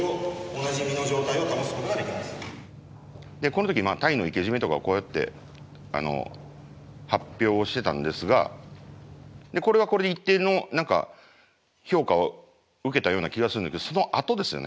この時タイの生け締めとかこうやって発表をしてたんですがこれはこれで一定の何か評価を受けたような気がするんだけどそのあとですよね。